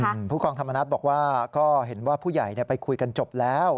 ผู้กองธรรมนัฏบอกว่าก็เห็นว่าผู้ใหญ่ไปคุยกันจบแล้ว